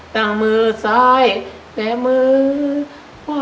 ตั้งมือซ้ายแต่มือขวาน